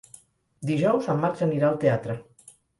Dijous en Max anirà al teatre.